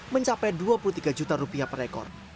mencapai dua puluh tiga juta rupiah per ekor